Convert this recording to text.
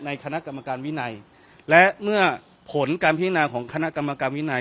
คณะกรรมการวินัยและเมื่อผลการพิจารณาของคณะกรรมการวินัย